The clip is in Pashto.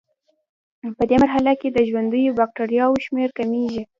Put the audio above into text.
پدې مرحله کې د ژوندیو بکټریاوو شمېر کمیږي.